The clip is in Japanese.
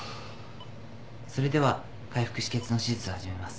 それでは開腹止血の手術を始めます。